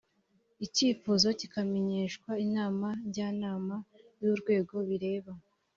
icyifuzo kikamenyeshwa inama njyanama y’urwego bireba